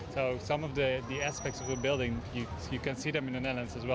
jadi beberapa aspek dari bangunan ini anda juga bisa melihatnya di indonesia